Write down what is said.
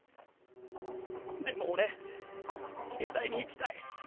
でも俺藝大に行きたい。